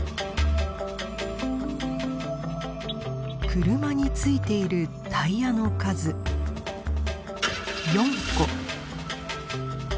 車に付いているタイヤの数４個。